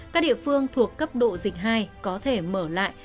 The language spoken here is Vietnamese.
các địa phương thuộc cấp độ dịch hai có thể mở lại